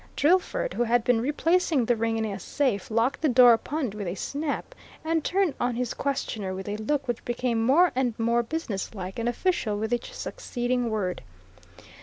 Drillford, who had been replacing the ring in a safe, locked the door upon it with a snap, and turned on his questioner with a look which became more and more businesslike and official with each succeeding word.